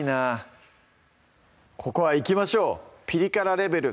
ここはいきましょうピリ辛レベル